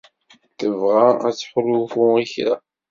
tebɣa ad tḥulfu i kra.